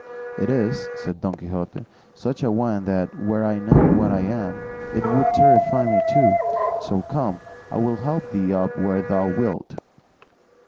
"It is," said Don Quixote, "such a one that were I not what I am it would terrify me too; so, come, I will help thee up where thou wilt."